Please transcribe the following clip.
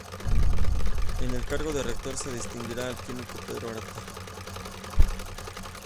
En el cargo de Rector, se designará al químico Pedro Arata.